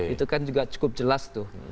itu kan juga cukup jelas tuh